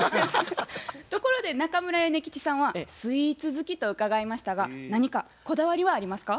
ところで中村米吉さんはスイーツ好きと伺いましたが何かこだわりはありますか？